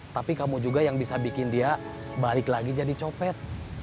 tapi kamu juga yang bisa bikin dia balik lagi jadi copet